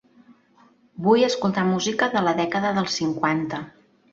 Vull escoltar música de la dècada dels cinquanta.